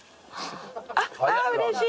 あぁうれしい。